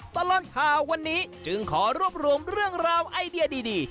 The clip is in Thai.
ตลอดข่าววันนี้จึงขอรวบรวมเรื่องราวไอเดียดี